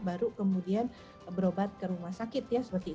baru kemudian berobat ke rumah sakit ya